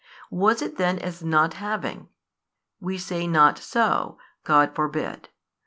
Was it then as not having? we say not so, God forbid.